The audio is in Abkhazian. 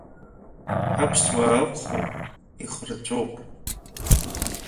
Аԥсуаа ықәхуп, ихырҵәоуп…